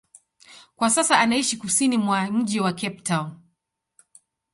Kwa sasa anaishi kusini mwa mji wa Cape Town.